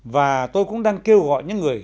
và tôi cũng đang kêu gọi những người